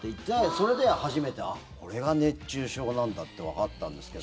それで初めてこれが熱中症なんだってわかったんですけど。